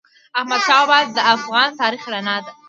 احمدشاه بابا د افغان تاریخ رڼا ده.